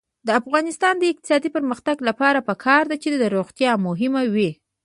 د افغانستان د اقتصادي پرمختګ لپاره پکار ده چې روغتیا مهمه وي.